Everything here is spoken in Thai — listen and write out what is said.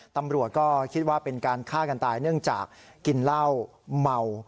ตำรวจก็คิดว่าเป็นการฆ่ากันตายเนื่องจากกินเหล้าเมา